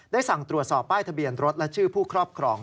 สั่งตรวจสอบป้ายทะเบียนรถและชื่อผู้ครอบครอง